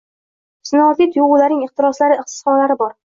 Sinoatli tuyg’ularining ehtirosli izhorlari bor.